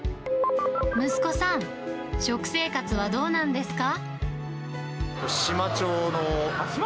息子さん、食生活はどうなんですか？